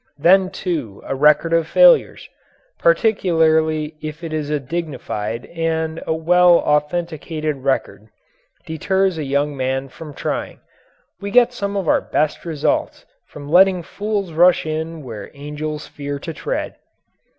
Then, too, a record of failures particularly if it is a dignified and well authenticated record deters a young man from trying. We get some of our best results from letting fools rush in where angels fear to tread.